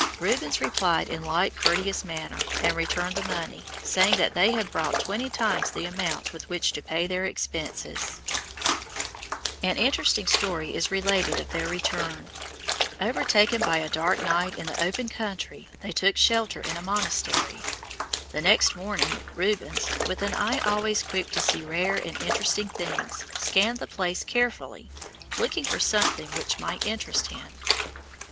Rubens replied in like courteous manner and returned the money, saying that they had brought twenty times the amount with which to pay their expenses. [Illustration: MARIE DE MEDICIS Rubens (Museum, Madrid)] An interesting story is related of their return. Overtaken by dark night in the open country they took shelter in a monastery. The next morning Rubens, with an eye always quick to see rare and interesting things, scanned the place carefully looking for something which might interest him.